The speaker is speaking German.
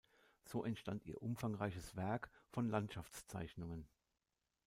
So entstand ihr umfangreiches Werk von Landschaftszeichnungen.